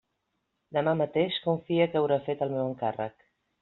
Demà mateix confie que haurà fet el meu encàrrec.